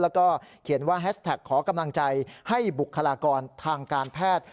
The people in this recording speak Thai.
แล้วก็เขียนว่าแฮชแท็กขอกำลังใจให้บุคลากรทางการแพทย์